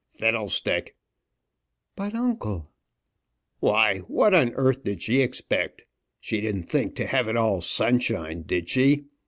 "Fiddlestick!" "But, uncle " "Why, what on earth did she expect? She didn't think to have it all sunshine, did she?